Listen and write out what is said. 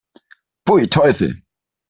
Pfui, Teufel!